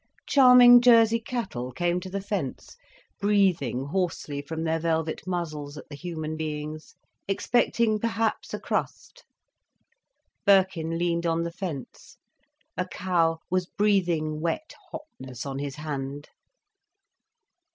Charming Jersey cattle came to the fence, breathing hoarsely from their velvet muzzles at the human beings, expecting perhaps a crust. Birkin leaned on the fence. A cow was breathing wet hotness on his hand.